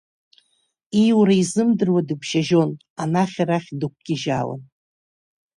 Ииура изымдыруа дыбжьажьон, анахь-арахь дықәгьежьаауан.